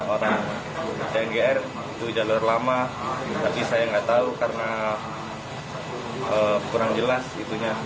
orang tnger itu jalur lama tapi saya nggak tahu karena kurang jelas itunya